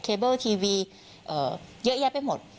เบิลทีวีเยอะแยะไปหมด